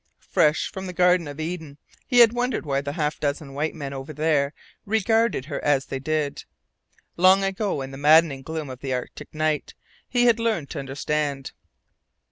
Fresh from the Garden of Eden, he had wondered why the half dozen white men over there regarded her as they did. Long ago, in the maddening gloom of the Arctic night, he had learned to understand.